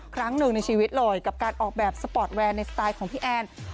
ครั้งหนึ่งในชีวิตเลยกับการออกแบบสปอร์ตแวร์ในสไตล์ของพี่แอน